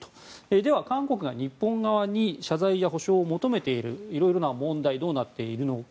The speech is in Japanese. では、韓国が日本側に謝罪や補償を求めているいろいろな問題はどうなっているのか。